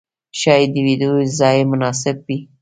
ښايې د ويدېدو ځای مناسب وي.